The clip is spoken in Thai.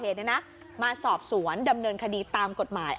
ผู้ก่อเหตุเนี่ยนะมาสอบสวนดำเนินคดีตามกฎหมาย